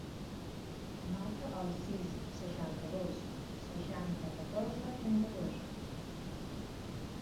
Marca el sis, seixanta-dos, seixanta, catorze, trenta-dos.